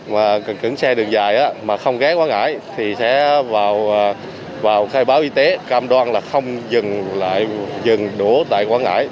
và cứng xe đường dài mà không ghé quảng ngãi thì sẽ vào khai báo y tế cam đoan là không dừng lại dừng đổ tại quảng ngãi